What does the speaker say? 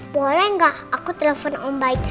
boleh nggak aku telepon om baik